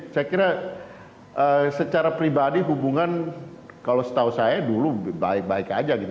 saya kira secara pribadi hubungan kalau setahu saya dulu baik baik aja gitu